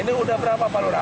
ini udah berapa pak lura